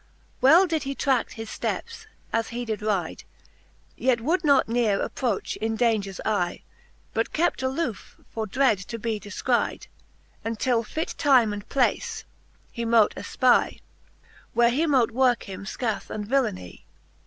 Well did he tradt his fteps, as he did ryde, Yet would not neare approch in daungers eye, But kept aloofe for dread to be defcryde, Until fit time and place he mote elpy, Where he mote worke him fcath and villeny.